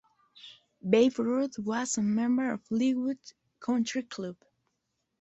Babe Ruth was a member of Leewood Country Club.